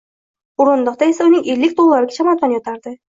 Oʻrindiqda esa uning ellik dollarlik chamadoni yotardi.